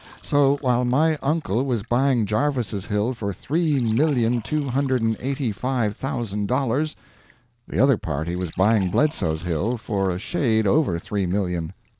So while my uncle was buying Jarvis's hill for three million two hundred and eighty five thousand dollars, the other party was buying Bledso's hill for a shade over three million.